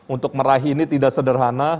untuk meraih ini tidak sederhana